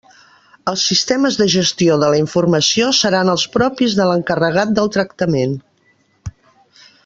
Els sistemes de gestió de la informació seran els propis de l'encarregat del tractament.